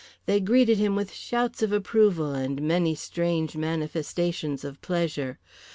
They greeted him with shouts of approval and many strange manifestations of pleasure.